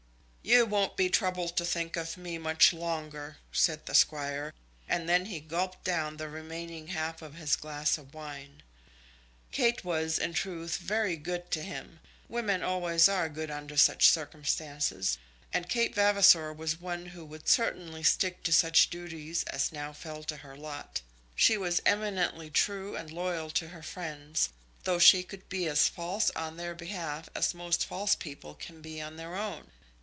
"You won't be troubled to think of me much longer," said the Squire; and then he gulped down the remaining half of his glass of wine. Kate was, in truth, very good to him. Women always are good under such circumstances; and Kate Vavasor was one who would certainly stick to such duties as now fell to her lot. She was eminently true and loyal to her friends, though she could be as false on their behalf as most false people can be on their own.